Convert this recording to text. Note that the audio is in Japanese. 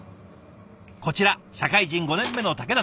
こちら社会人５年目の竹田さん。